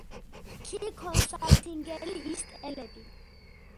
ქი ქონსალთინგელი ისტ-ელები